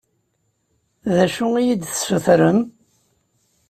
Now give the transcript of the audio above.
D acu i yi-d-tessutrem?